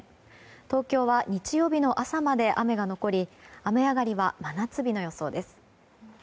東京は日曜日の朝まで雨が残り雨上がりは真夏日の予想です。